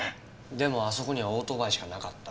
でもあそこにはオートバイしかなかった。